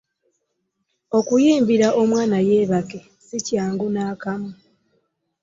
Okuyimbira omwana yeebake si kyangu n'akamu.